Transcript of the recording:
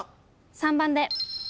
３番で。